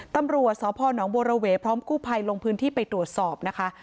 ตำรวจสอบพ่อนองค์โบราเวพร้อมคู่ภัยลงพื้นที่ไปตรวจสอบนะคะ